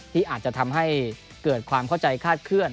ที่อาจจะทำให้เกิดความเข้าใจคาดเคลื่อ